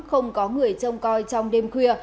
không có người trông coi trong đêm khuya